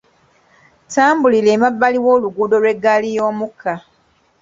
Ttambulira emabbali w'oluguudo lw'eggaali y'omukka.